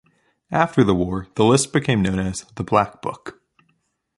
After the war, the list became known as The Black Book.